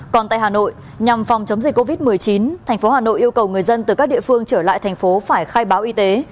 còn tại hà nội nhằm phòng chống dịch covid một mươi chín thành phố hà nội yêu cầu người dân từ các địa phương trở lại thành phố phải khai báo y tế